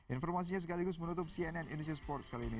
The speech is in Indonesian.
informasinya sekaligus menutup cnn indonesia sports kali ini